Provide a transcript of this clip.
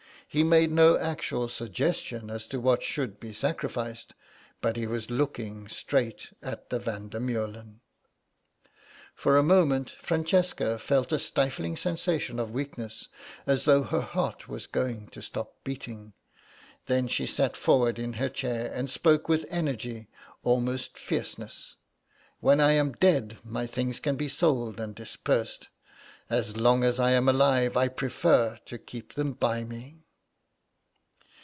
He made no actual suggestion as to what should be sacrificed, but he was looking straight at the Van der Meulen. For a moment Francesca felt a stifling sensation of weakness, as though her heart was going to stop beating. Then she sat forward in her chair and spoke with energy, almost fierceness. "When I am dead my things can be sold and dispersed. As long as I am alive I prefer to keep them by me."